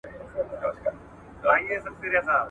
بې له تخنيکي پوهې څخه توليد نه سي زياتېدای.